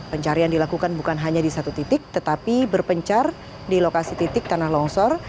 pencarian dilakukan bukan hanya di satu titik tetapi berpencar di lokasi titik tanah longsor